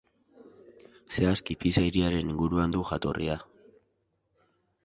Zehazki Pisa hiriaren inguruan du jatorria.